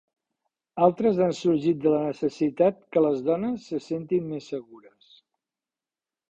Altres han sorgit de la necessitat que les dones se sentin més segures.